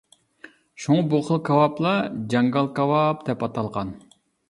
شۇڭا بۇ خىل كاۋاپلار «جاڭگال كاۋاپ» دەپ ئاتالغان.